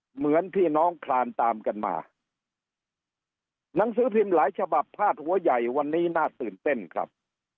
เหมือนพี่น้องคลานตามกันมาหนังสือพิมพ์หลายฉบับพาดหัวใหญ่วันนี้น่าตื่นเต้นครับ